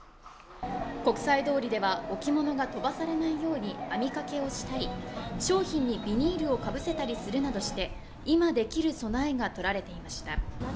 国際通りでは置物が飛ばされないように網掛けをしたり、商品にビニールをかぶせたりするなどして今できる備えが取られていました